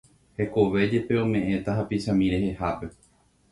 Hekove jepe ome'ẽta hapichami rehehápe